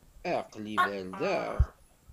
Aql-i berdaɣ.